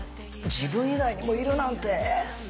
「自分以外にもいるなんて」。